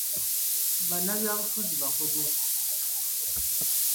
Bannabyabufuzi bakodo.